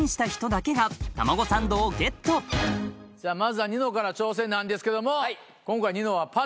まずはニノから挑戦なんですけども。